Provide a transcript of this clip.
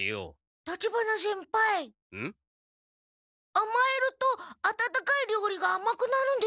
あまえると温かい料理があまくなるんですか？